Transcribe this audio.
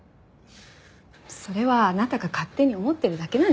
それはあなたが勝手に思ってるだけなんじゃ。